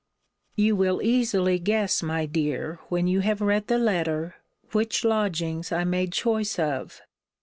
You will easily guess, my dear, when you have read the letter, which lodgings I made choice of.